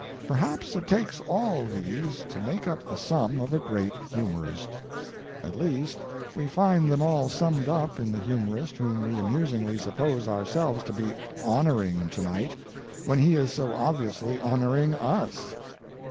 Perhaps it takes all these to make up the sum of a great humorist. At least, we find them all summed up in the humorist whom we amusingly suppose ourselves to be honoring tonight, when he is so obviously honoring us.